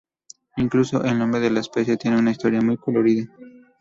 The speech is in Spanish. Incluso, el nombre de la especie tiene una historia muy colorida.